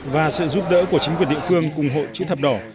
và sự giúp đỡ của chính quyền địa phương cùng hội chữ thập đỏ